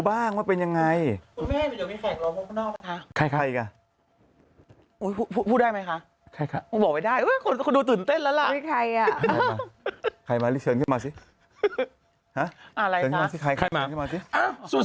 บ้างว่าเป็นยังไงคุณได้มั้ยค่ะบอกไม่ได้เต้นแล้วล่ะอะไรมาสุด